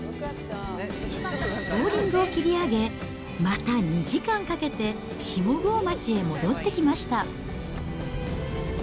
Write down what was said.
ボウリングを切り上げ、また２時間かけて下郷町へ戻ってきました。